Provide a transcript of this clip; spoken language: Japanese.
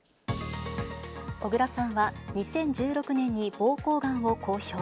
小倉さんは２０１６年にぼうこうがんを公表。